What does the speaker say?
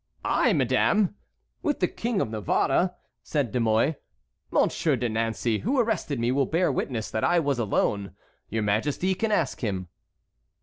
"I, madame! with the King of Navarre?" said De Mouy. "Monsieur de Nancey, who arrested me, will bear witness that I was alone. Your majesty can ask him."